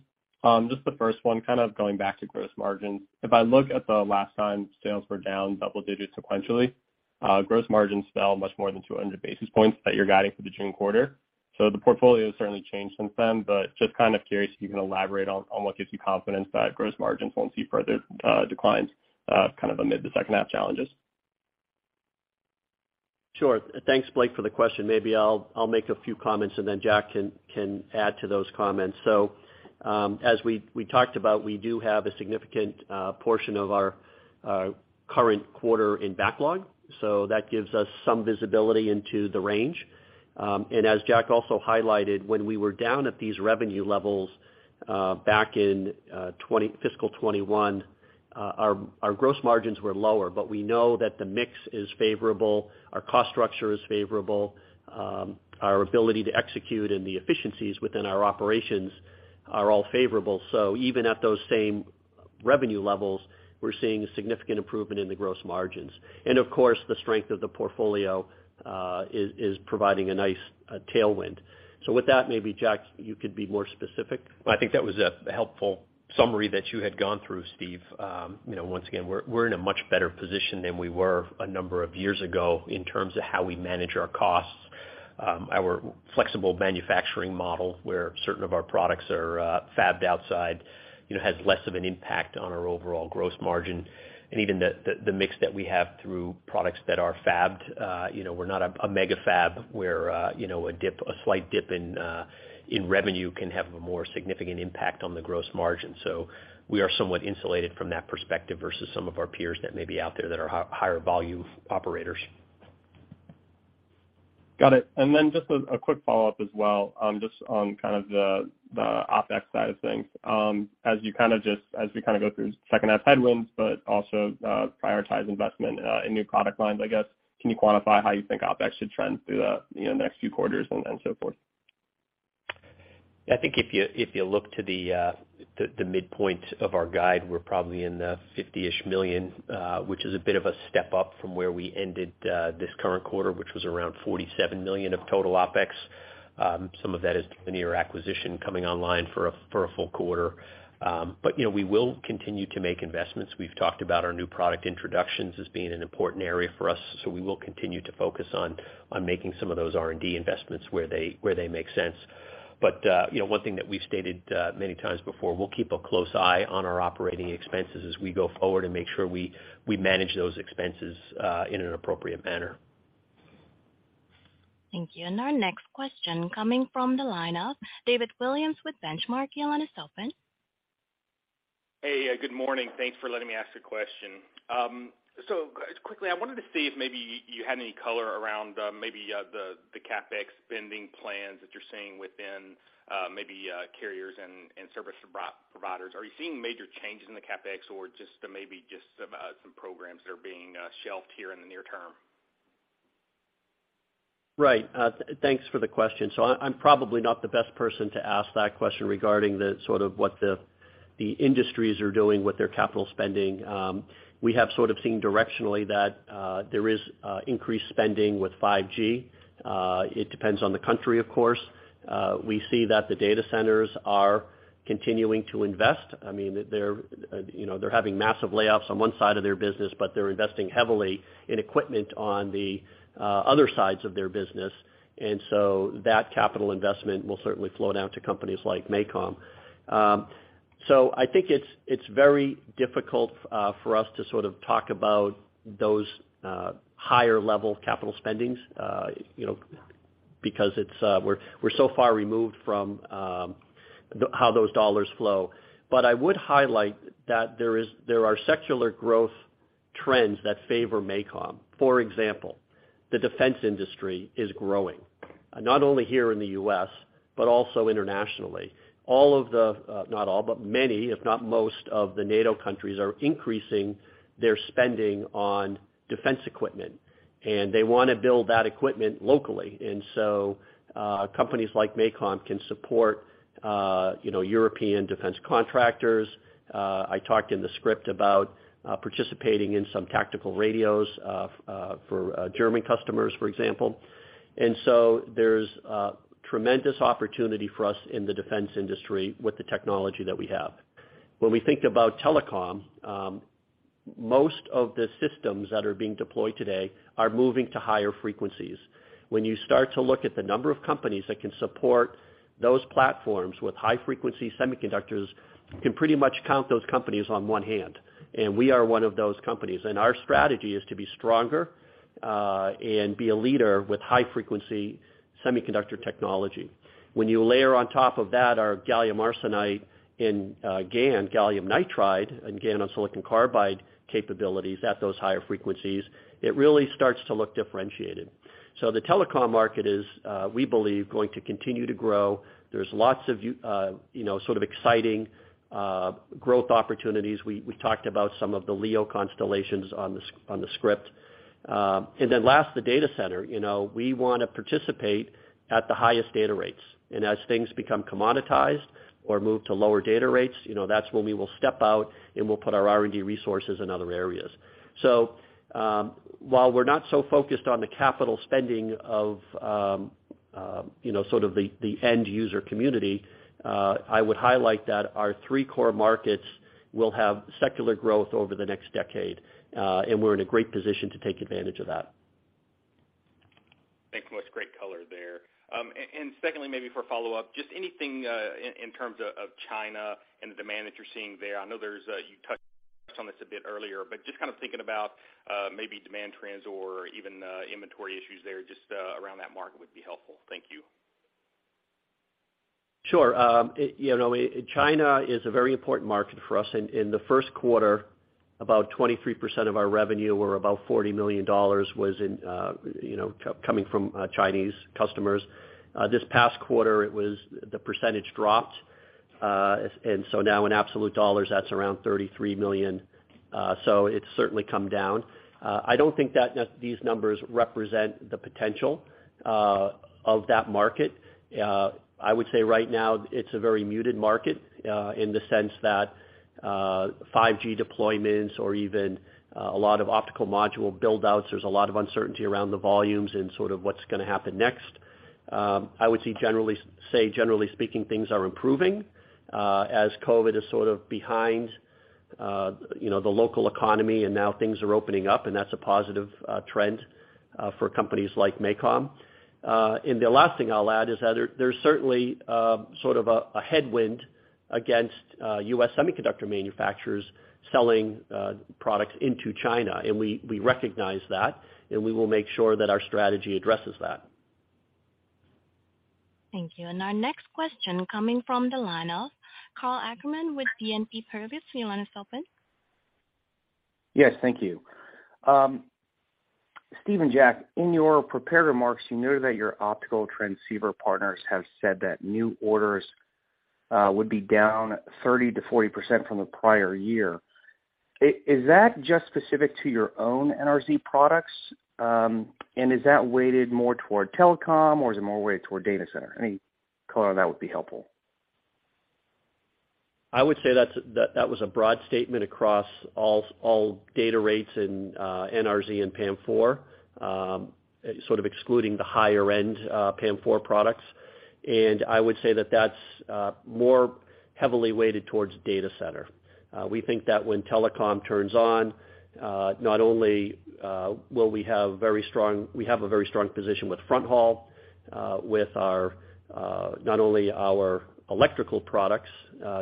Speaker 10: just the first one, kind of going back to gross margins. If I look at the last time sales were down double digits sequentially, gross margins fell much more than 200 basis points that you're guiding for the June quarter. The portfolio has certainly changed since then, but just kind of curious if you can elaborate on what gives you confidence that gross margins won't see further declines, kind of amid the second half challenges.
Speaker 3: Sure. Thanks, Blake, for the question. Maybe I'll make a few comments, and then Jack can add to those comments. As we talked about, we do have a significant portion of our current quarter in backlog, so that gives us some visibility into the range. As Jack also highlighted, when we were down at these revenue levels, back in fiscal 2021, our gross margins were lower, but we know that the mix is favorable, our cost structure is favorable, our ability to execute and the efficiencies within our operations are all favorable. Even at those same revenue levels, we're seeing significant improvement in the gross margins. Of course, the strength of the portfolio is providing a nice tailwind. With that, maybe Jack, you could be more specific.
Speaker 4: I think that was a helpful summary that you had gone through, Steve. You know, once again, we're in a much better position than we were a number of years ago in terms of how we manage our costs. Our flexible manufacturing model, where certain of our products are fabbed outside, you know, has less of an impact on our overall gross margin. Even the, the mix that we have through products that are fabbed, you know, we're not a mega fab where, you know, a slight dip in revenue can have a more significant impact on the gross margin. We are somewhat insulated from that perspective versus some of our peers that may be out there that are higher volume operators.
Speaker 10: Got it. Just a quick follow-up as well, just on kind of the OpEx side of things. As you kinda go through second half headwinds, but also prioritize investment in new product lines, I guess, can you quantify how you think OpEx should trend through the, you know, next few quarters and so forth?
Speaker 3: I think if you, if you look to the midpoint of our guide, we're probably in the $50-ish million, which is a bit of a step up from where we ended this current quarter, which was around $47 million of total OpEx. Some of that is Linearizer acquisition coming online for a full quarter. You know, we will continue to make investments. We've talked about our new product introductions as being an important area for us, so we will continue to focus on making some of those R&D investments where they make sense. You know, one thing that we've stated many times before, we'll keep a close eye on our operating expenses as we go forward and make sure we manage those expenses in an appropriate manner.
Speaker 1: Thank you. Our next question coming from the line of David Williams with Benchmark. Your line is open.
Speaker 11: Hey, good morning. Thanks for letting me ask a question. Quickly, I wanted to see if maybe you had any color around, maybe, the CapEx spending plans that you're seeing within, maybe, carriers and service providers. Are you seeing major changes in the CapEx or just maybe just some programs that are being shelved here in the near term?
Speaker 3: Right. Thanks for the question. I'm probably not the best person to ask that question regarding the sort of what the industries are doing with their capital spending. We have sort of seen directionally that there is increased spending with 5G. It depends on the country, of course. We see that the data centers are continuing to invest. I mean, they're, you know, they're having massive layoffs on one side of their business, but they're investing heavily in equipment on the other sides of their business. That capital investment will certainly flow down to companies like MACOM. I think it's very difficult for us to sort of talk about those higher level capital spendings. Because it's, we're so far removed from how those dollars flow. I would highlight that there are secular growth trends that favor MACOM. For example, the defense industry is growing, not only here in the U.S., but also internationally. All of the, not all, but many, if not most of the NATO countries are increasing their spending on defense equipment, and they wanna build that equipment locally. Companies like MACOM can support, you know, European defense contractors. I talked in the script about participating in some tactical radios for German customers, for example. There's tremendous opportunity for us in the defense industry with the technology that we have. When we think about telecom, most of the systems that are being deployed today are moving to higher frequencies. When you start to look at the number of companies that can support those platforms with high frequency semiconductors, you can pretty much count those companies on one hand, and we are one of those companies. And our strategy is to be stronger and be a leader with high frequency semiconductor technology. When you layer on top of that our gallium arsenide and GaN, gallium nitride, and GaN on silicon carbide capabilities at those higher frequencies, it really starts to look differentiated. So the telecom market is, we believe, going to continue to grow. There's lots of, you know, sort of exciting growth opportunities. We talked about some of the LEO constellations on the script. And then last, the data center. You know, we wanna participate at the highest data rates. As things become commoditized or move to lower data rates, you know, that's when we will step out, and we'll put our R&D resources in other areas. While we're not so focused on the capital spending of, you know, sort of the end user community, I would highlight that our three core markets will have secular growth over the next decade, and we're in a great position to take advantage of that.
Speaker 11: Thanks so much. Great color there. Secondly, maybe for follow-up, just anything in terms of China and the demand that you're seeing there. I know there's you touched on this a bit earlier, but just kind of thinking about maybe demand trends or even inventory issues there, just around that market would be helpful. Thank you.
Speaker 3: Sure. It, you know, China is a very important market for us. In the first quarter, about 23% of our revenue or about $40 million was in, you know, coming from Chinese customers. This past quarter, the percentage dropped. Now in absolute dollars, that's around $33 million. It's certainly come down. I don't think that these numbers represent the potential of that market. I would say right now it's a very muted market, in the sense that 5G deployments or even a lot of optical module build outs, there's a lot of uncertainty around the volumes and sort of what's gonna happen next. I would say generally speaking, things are improving, as COVID is sort of behind, you know, the local economy, and now things are opening up, and that's a positive trend for companies like MACOM. The last thing I'll add is that there's certainly sort of a headwind against US semiconductor manufacturers selling products into China. We recognize that, and we will make sure that our strategy addresses that.
Speaker 1: Thank you. Our next question coming from the line of Karl Ackerman with BNP Paribas. Your line is open.
Speaker 12: Yes, thank you. Steve and Jack, in your prepared remarks, you noted that your optical transceiver partners have said that new orders would be down 30% to 40% from the prior year. Is that just specific to your own NRZ products? Is that weighted more toward telecom, or is it more weighted toward data center? Any color on that would be helpful.
Speaker 3: I would say that's a broad statement across all data rates in NRZ and PAM4, sort of excluding the higher end PAM4 products. I would say that that's more heavily weighted towards data center. We think that when telecom turns on, not only will we have a very strong position with front haul, with our not only our electrical products,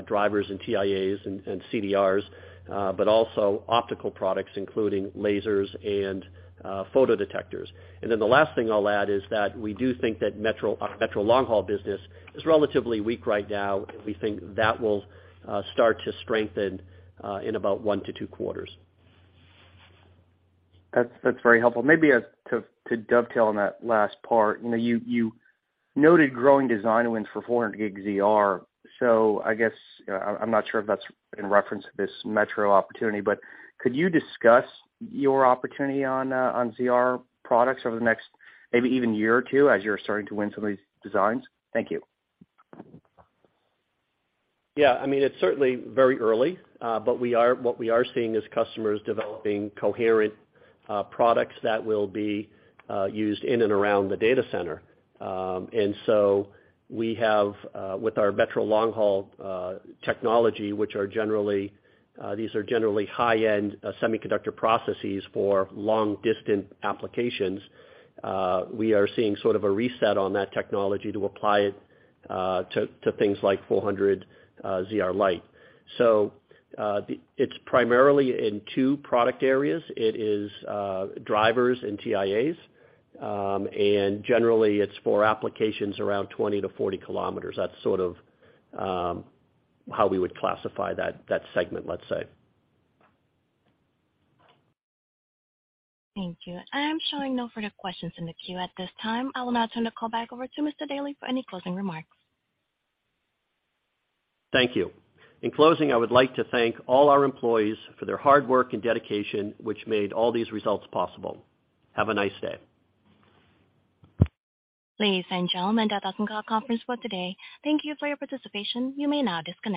Speaker 3: drivers and TIAs and CDRs, but also optical products, including lasers and photodetectors. The last thing I'll add is that we do think that metro long haul business is relatively weak right now, and we think that will start to strengthen in about one to two quarters.
Speaker 12: That's very helpful. Maybe, to dovetail on that last part, you know, you noted growing design wins 400G ZR. I guess I'm not sure if that's in reference to this metro opportunity, could you discuss your opportunity on ZR products over the next maybe even year or two as you're starting to win some of these designs? Thank you.
Speaker 3: Yeah, I mean, it's certainly very early, but what we are seeing is customers developing coherent products that will be used in and around the data center. We have with our metro long haul technology, which are generally these are generally high-end semiconductor processes for long-distance applications, we are seeing sort of a reset on that technology to apply it to things 400G ZR light. It's primarily in two product areas. It is drivers and TIAs, and generally, it's for applications around 20 km-40 km. That's sort of how we would classify that segment, let's say.
Speaker 1: Thank you. I am showing no further questions in the queue at this time. I will now turn the call back over to Mr. Daly for any closing remarks.
Speaker 3: Thank you. In closing, I would like to thank all our employees for their hard work and dedication, which made all these results possible. Have a nice day.
Speaker 1: Ladies and gentlemen, that does end our conference for the day. Thank you for your participation. You may now disconnect.